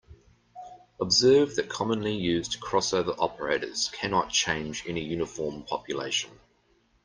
Observe that commonly used crossover operators cannot change any uniform population.